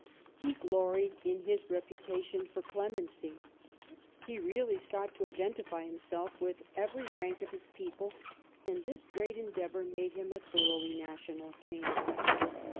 He gloried in his reputation for clemency. He really sought to identify himself with every rank of his people, and this great endeavour made him a thoroughly national king.